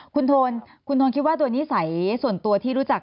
คุณโทนคุณโทนคิดว่าตัวนิสัยส่วนตัวที่รู้จัก